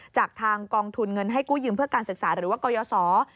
จากทางกองทุนเงินให้กู้ยืมเพื่อการศึกษาหรือว่ากรยศ